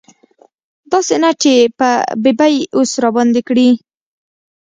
داسې نه چې په ببۍ اوس راباندې کړي.